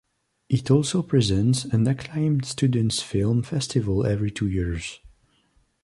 It also presents an acclaimed students' film festival every two years.